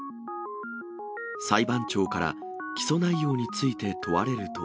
裁判長から起訴内容について問われると。